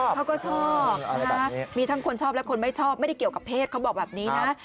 บางคนก็บอกว่าชอบแบบใช่ไหมค่ะ